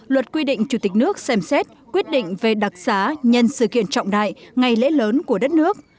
luật quy định chủ tịch nước xem xét quyết định về đặc xá nhân sự kiện trọng đại ngày lễ lớn của đất nước